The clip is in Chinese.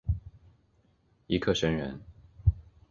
尹克升人。